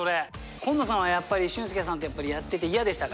今野さんはやっぱり俊輔さんとやってて嫌でしたか？